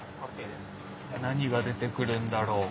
何が出てくるんだろう？